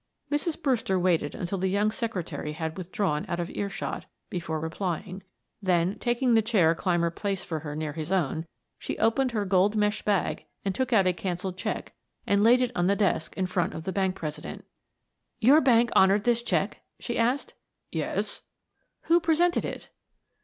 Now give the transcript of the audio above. Mrs. Brewster waited until the young secretary had withdrawn out of earshot before replying; then taking the chair Clymer placed for her near his own, she opened her gold mesh bag and took out a canceled check and laid it on the desk in front of the bank president. "Your bank honored this check?" she asked. "Yes." "Who presented it?"